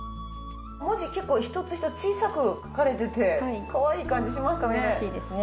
文字結構一つ一つ小さく書かれててかわいい感じしますね。